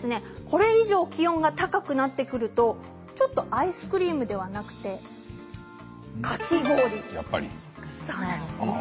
これ以上、気温が高くなってくるとアイスクリームではなくてかき氷が食べたくなるそうです。